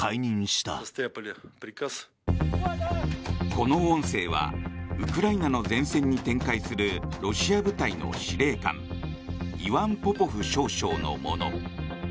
この音声はウクライナの前線に展開するロシア部隊の司令官イワン・ポポフ少将のもの。